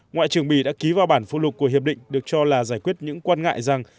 ngoại trưởng bỉ đã ký vào bản phụ lục của hiệp định được cho là giải quyết những quan ngại rằng